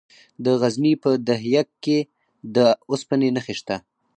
د غزني په ده یک کې د اوسپنې نښې شته.